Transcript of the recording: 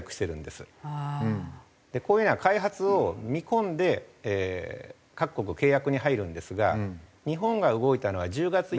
こういうのは開発を見込んで各国契約に入るんですが日本が動いたのは１０月。